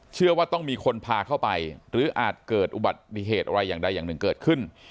เชื่อว่าต้องมีคนพาเข้าไปหรืออาจเกิดอุบัติเหตุอะไรอย่างใดอย่างหนึ่งเกิดขึ้น